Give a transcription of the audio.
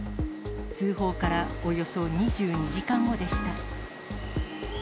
通報からおよそ２２時間後でした。